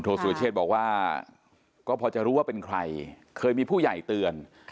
สุรเชษบอกว่าก็พอจะรู้ว่าเป็นใครเคยมีผู้ใหญ่เตือน